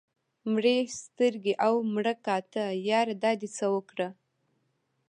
مړې سترګې او مړه کاته ياره دا دې څه اوکړه